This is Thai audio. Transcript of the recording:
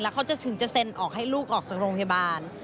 เขาจะถึงจะเซ็นออกให้ลูกออกจากโรงพยาบาล